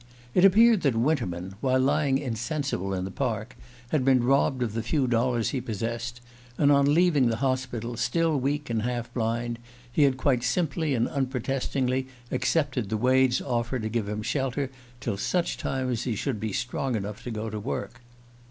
It appeared that Winterman, while lying insensible in the Park, had been robbed of the few dollars he possessed; and on leaving the hospital, still weak and half blind, he had quite simply and unprotestingly accepted the Wades' offer to give him shelter till such time as he should be strong enough to go to work.